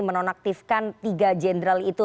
menonaktifkan tiga jenderal itu